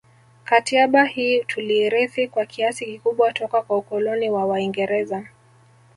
Katiaba hii tuliirithi kwa kiasi kikubwa toka kwa ukoloni wa waingereza